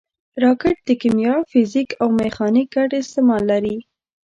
راکټ د کیمیا، فزیک او میخانیک ګډ استعمال لري